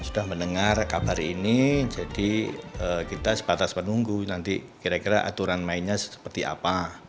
sudah mendengar kabar ini jadi kita sebatas menunggu nanti kira kira aturan mainnya seperti apa